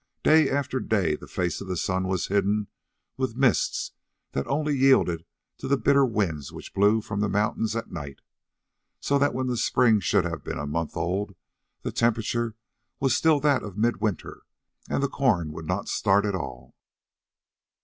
Day after day the face of the sun was hidden with mists that only yielded to the bitter winds which blew from the mountains at night, so that when the spring should have been a month old, the temperature was still that of mid winter and the corn would not start at all.